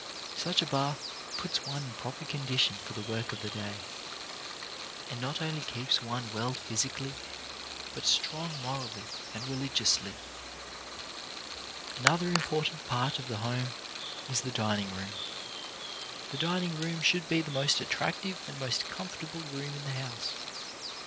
Such a bath puts one in proper condition for the work of the day, and not only keeps one well physically, but strong morally and religiously. Another important part of the home is the dining room. The dining room should be the most attractive and most comfortable room in the house.